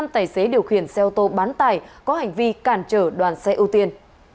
năm tài xế điều khiển xe ô tô bán tải có hành vi cản trở đoàn xe ưu tiên